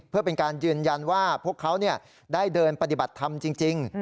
เพื่อเป็นการยืนยันว่าพวกเขาได้เดินปฏิบัติธรรมจริง